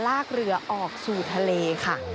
ลากเรือออกสู่ทะเลค่ะ